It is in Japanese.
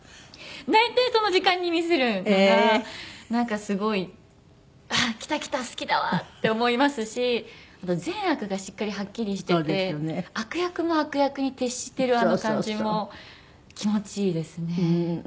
大体その時間に見せるからなんかすごいあっきたきた好きだわって思いますし善悪がしっかりはっきりしていて悪役も悪役に徹しているあの感じも気持ちいいですね。